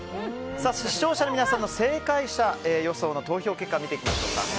視聴者の皆様の正解者の投票結果を見てみましょう。